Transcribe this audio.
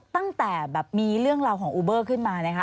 ตั้งแต่แบบมีเรื่องราวของอูเบอร์ขึ้นมานะคะ